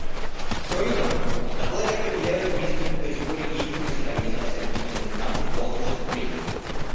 Кроме того, в докладе определяются несколько категорий деятельности Организации Объединенных Наций по осуществлению.